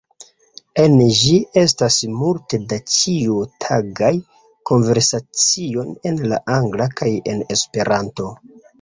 En ĝi, estas multe da ĉiutagaj konversacioj en la Angla kaj en Esperanto.